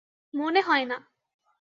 মনে হয় না।